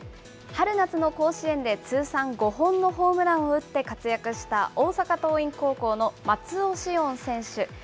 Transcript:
春夏の甲子園で通算５本のホームランを打って活躍した大阪桐蔭高校の松尾汐恩選手。